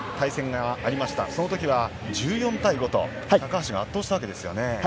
その時は１４対５と高橋が圧倒したわけですね。